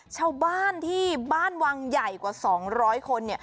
ชาวบ้านที่บ้านวังใหญ่กว่า๒๐๐คน